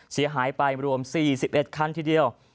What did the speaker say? เสียหายไปรวม๔๑คันทีเดียว